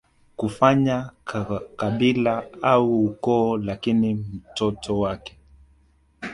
kufanya kabila au ukoo Lakini mtoto wake